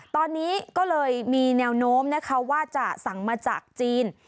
ตอนนี้ก็เลยมีแนวโน้มนะคะว่าจะสั่งมาจากจีน